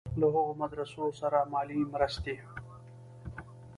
له هغو مدرسو سره مالي مرستې.